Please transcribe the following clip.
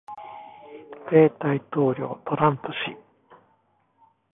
米大統領トランプ氏